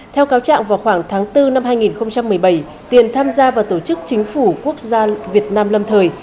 theo cáo trạng vào khoảng tháng bốn năm hai nghìn một mươi bảy tiền tham gia vào tổ chức chính phủ quốc gia việt nam lâm thời